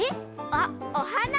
あっおはな？